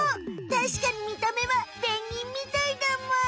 たしかにみた目はペンギンみたいだむ。